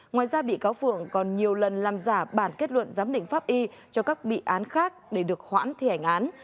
ngoài ra bị cáo phượng còn nhiều lần làm giả bản kết luận giám định pháp y cho các bị án khác để được hoãn thi hành án